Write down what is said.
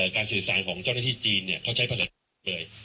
การสื่อสารของเจ้าหน้าที่จีนเนี่ยเขาใช้ภาษาอังกฤษเลย